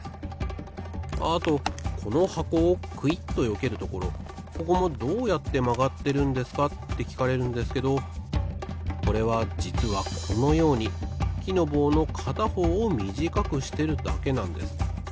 ああとこのはこをクイッとよけるところここもどうやってまがってるんですかってきかれるんですけどこれはじつはこのようにきのぼうのかたほうをみじかくしてるだけなんです。